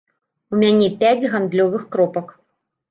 У мяне пяць гандлёвых кропак.